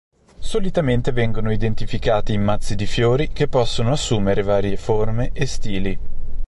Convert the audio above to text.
Solitamente vengono identificati in mazzi di fiori che possono assumere varie forme e stili.